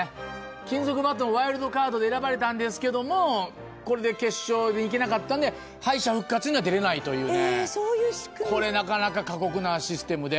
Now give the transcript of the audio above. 金属バットも、ワイルドカードが選ばれたんですけども、これで決勝に行けなかったんで、敗者復活には出れないというね。